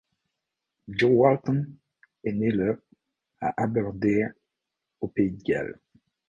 Jo Walton est née le à Aberdare au Pays de Galles.